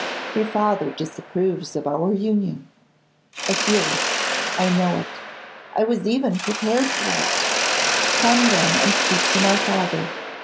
Your father disapproves of our union. I feel it; I know it; I was even prepared for it. Come, then, and speak to my father.